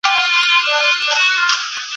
له قاضي تر احوالداره له حاکم تر پیره داره